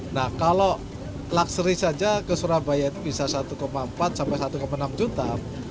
nah kalau lakseri saja ke surabaya itu bisa satu empat sampai satu enam juta